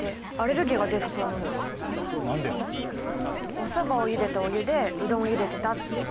おそばをゆでたお湯でうどんをゆでてたって。